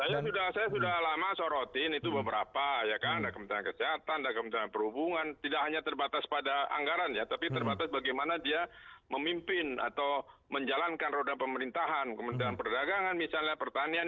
saya sudah lama sorotin itu beberapa ya kan ada kementerian kesehatan dan kementerian perhubungan tidak hanya terbatas pada anggaran ya tapi terbatas bagaimana dia memimpin atau menjalankan roda pemerintahan kementerian perdagangan misalnya pertanian